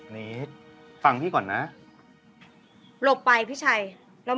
แล้วมันแน่ผิดเข้มกลัวจัง